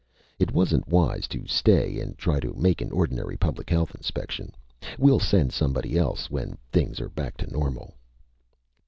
"It wasn't wise to stay and try to make an ordinary public health inspection. We'll send somebody else when things are back to normal."